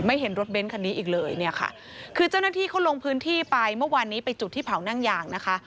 เห็นรถเน้นคันนี้อีกเลยเนี่ยค่ะคือเจ้าหน้าที่เขาลงพื้นที่ไปเมื่อวานนี้ไปจุดที่เผานั่งยางนะคะ